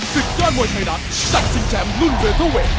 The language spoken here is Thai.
สิทธิ์ยอดมวยไทยรัฐจัดสิ่งแชมป์รุ่นเวลเท่าไหร่